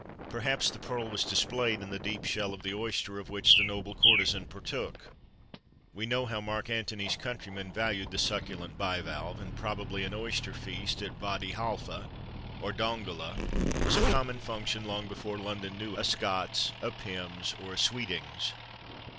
_ Perhaps the pearl was displayed in the deep shell of the oyster of which the "noble curtesan" partook? We know how Mark Antony's countrymen valued the succulent bivalve; and probably an oyster feast at Wady Halfa or Dongola was a common function long before London knew a "Scott's," a "Pimm's," or a "Sweeting's."